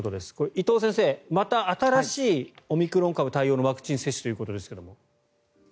伊藤先生、また新しいオミクロン株対応のワクチン接種ということですが。